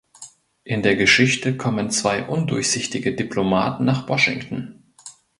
In der Geschichte kommen zwei undurchsichtige Diplomaten nach Washington.